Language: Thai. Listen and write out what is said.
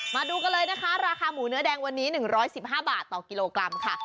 มาดูกันเลยนะคะราคาหมูเนื้อแดงวันนี้๑๑๕บาทต่อกิโลกรัมค่ะ